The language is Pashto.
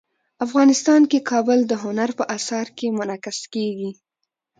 افغانستان کې کابل د هنر په اثار کې منعکس کېږي.